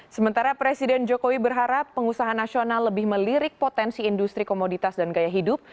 sementara presiden jokowi berharap pengusaha nasional lebih melirik potensi industri komoditas dan gaya hidup